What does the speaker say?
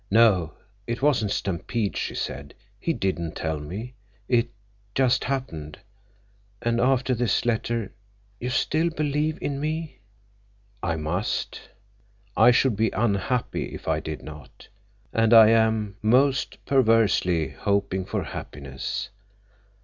"No, it wasn't Stampede," she said. "He didn't tell me. It—just happened. And after this letter—you still believe in me?" "I must. I should be unhappy if I did not. And I am—most perversely hoping for happiness.